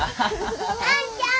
あんちゃん！